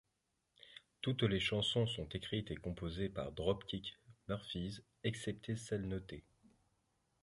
Toutes les chansons sont écrites et composées par Dropkick Murphys excepté celles notées.